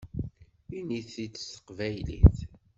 Init-t-id s teqbaylit!